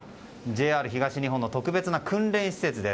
ここはＪＲ東日本の特別な訓練施設です。